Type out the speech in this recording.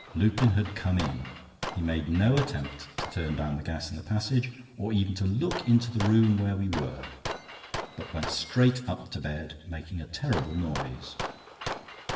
Lupin had come in. He made no attempt to turn down the gas in the passage, or even to look into the room where we were, but went straight up to bed, making a terrible noise.